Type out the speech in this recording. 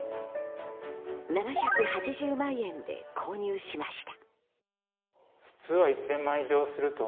７８０万円で購入しました。